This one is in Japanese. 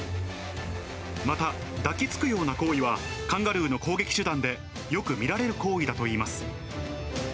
また、抱きつくような行為は、カンガルーの攻撃手段でよく見られる行為だといいます。